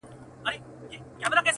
• زه چي وګورمه تاته عجیبه سم,